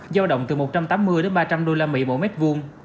giao động từ một trăm tám mươi ba trăm linh usd mỗi mét vuông